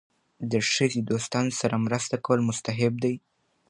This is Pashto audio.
د ښځې دوستانو سره مرسته کول مستحب دي.